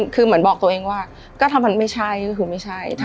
คือเหมือนบอกตัวเองว่าก็ถ้ามันไม่ใช่ก็คือไม่ใช่